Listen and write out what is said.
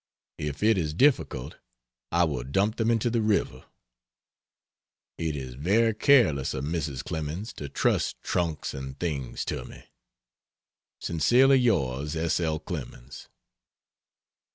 If it is difficult I will dump them into the river. It is very careless of Mrs. Clemens to trust trunks and things to me. Sincerely yours, S. L. CLEMENS.